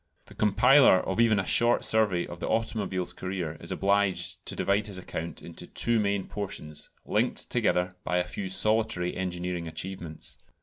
The compiler of even a short survey of the automobile's career is obliged to divide his account into two main portions, linked together by a few solitary engineering achievements.